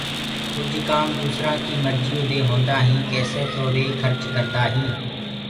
ڪجھ ڪآم دوسرآ ڪيٚ مرجيو دي هونٚدآ هينٚ ڪيسي تو وي کرچ ڪردآئينٚ